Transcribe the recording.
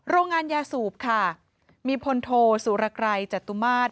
โรงงานยาสูบค่ะมีพลโทสุรกรัยจตุมาตร